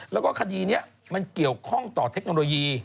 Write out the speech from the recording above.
แล้วก็คดีนี้มันเกี่ยวข้องต่อเทคโนโลยี